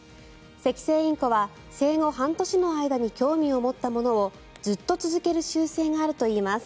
セキセイインコは生後半年の間に興味を持ったものをずっと続ける習性があるといいます。